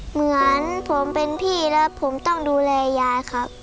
เหมือนผมเป็นพี่แล้วผมต้องดูแลยายครับ